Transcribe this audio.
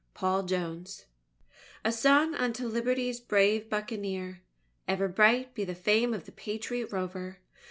_ PAUL JONES PAUL JONES _A song unto Liberty's brave Buccaneer, Ever bright be the fame of the Patriot Rover.